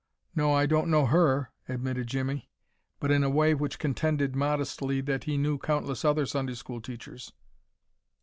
"No, I don't know her" admitted Jimmie, but in a way which contended, modestly, that he knew countless other Sunday school teachers.